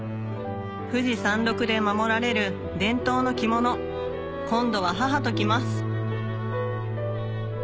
富士山麓で守られる伝統の着物今度は母と来ます